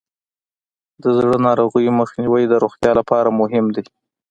د زړه ناروغیو مخنیوی د روغتیا لپاره مهم دی.